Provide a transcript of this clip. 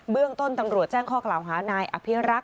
เรื่องต้นตำรวจแจ้งข้อกล่าวหานายอภิรักษ